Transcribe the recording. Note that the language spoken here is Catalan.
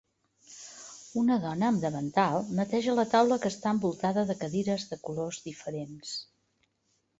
Una dona amb davantal neteja la taula que està envoltada de cadires de colors diferents.